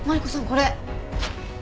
これ。